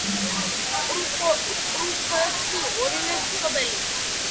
კრუხობს ორივე მშობელი.